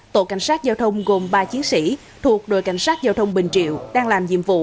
tổ cảnh sát giao thông gồm ba chiến sĩ thuộc đội cảnh sát giao thông bình triệu đang làm nhiệm vụ